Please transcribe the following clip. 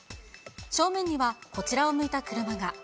正面には、こちらを向いた車が。